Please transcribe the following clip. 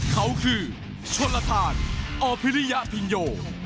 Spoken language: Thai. เขาคือชนธานออภิริยะพิงโย